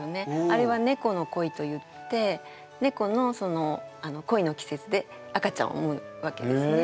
あれは猫の恋といって猫の恋の季節で赤ちゃんを産むわけですね。